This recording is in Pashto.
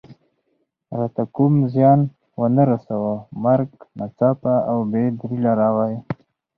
راته کوم زیان و نه رساوه، مرګ ناڅاپه او بې دلیله راغی.